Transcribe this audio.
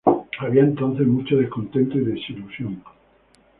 Había entonces mucho descontento y desilusión.